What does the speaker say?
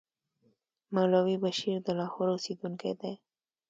مولوي بشیر د لاهور اوسېدونکی دی.